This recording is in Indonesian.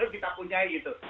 kita punya gitu